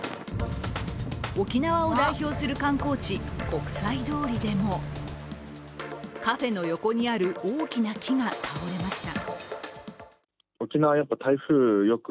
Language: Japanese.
沖縄を代表する観光地・国際通りでもカフェの横にある大きな木が倒れました。